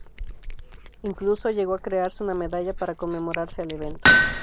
Incluso, llegó a crearse una medalla para conmemorarse el evento.